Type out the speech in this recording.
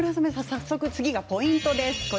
早速次がポイントです。